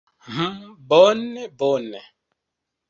Hm, bone bone.